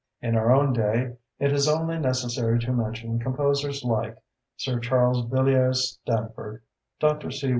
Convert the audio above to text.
In our own day, it is only necessary to mention composers like Sir Charles Villiers Stanford, Dr. C.